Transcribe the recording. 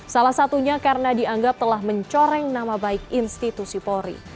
salah satunya karena dianggap telah mencoreng nama baik institusi polri